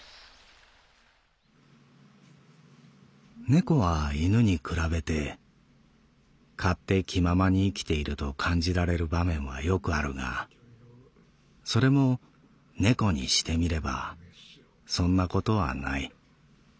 「猫は犬に比べて勝手気ままに生きていると感じられる場面はよくあるがそれも猫にしてみればそんなことはない。